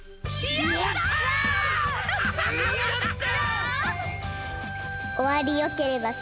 やった！